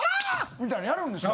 みたいにやるんですよ。